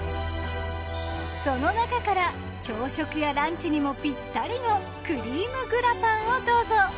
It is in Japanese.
そのなかから朝食やランチにもぴったりのくりーむグラパンをどうぞ。